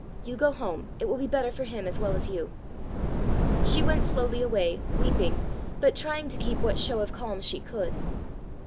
You go home. It will be better for him as well as you." She went slowly away, weeping, but trying to keep what show of calm she could.